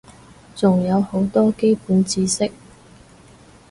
仲有好多基本知識